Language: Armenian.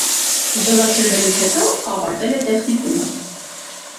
Զորացրվելուց հետո ավարտել է տեխնիկումը։